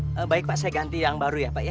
baik pak saya ganti yang baru ya pak ya